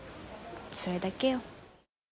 それだけよ。